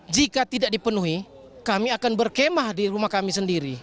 jika tidak dipenuhi kami akan berkemah di rumah kami sendiri